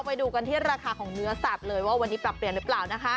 ไปดูกันที่ราคาของเนื้อสัตว์เลยว่าวันนี้ปรับเปลี่ยนหรือเปล่านะคะ